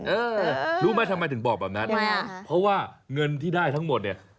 เออรู้ไหมทำไมถึงบอกแบบนั้นเพราะว่าเงินที่ได้ทั้งหมดเนี่ย